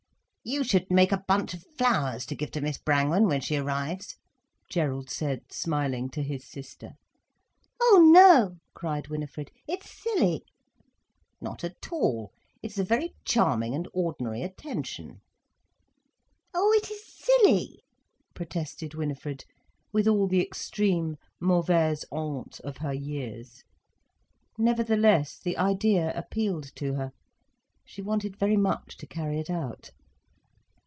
"You should make a bunch of flowers to give to Miss Brangwen when she arrives," Gerald said smiling to his sister. "Oh no," cried Winifred, "it's silly." "Not at all. It is a very charming and ordinary attention." "Oh, it is silly," protested Winifred, with all the extreme mauvaise honte of her years. Nevertheless, the idea appealed to her. She wanted very much to carry it out.